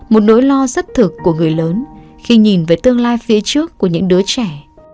một nỗi lo rất thực của người lớn khi nhìn về tương lai phía trước của những đứa trẻ